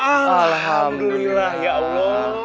alhamdulillah ya allah